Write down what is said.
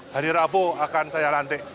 hari rabu akan saya lantik